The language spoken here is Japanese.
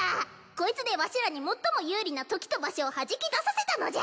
こいつでわしらに最も有利な時と場所をはじき出させたのじゃ。